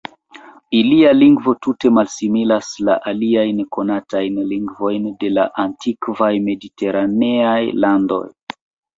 Ilia lingvo tute malsimilas la aliajn konatajn lingvojn de la antikvaj mediteraneaj landoj.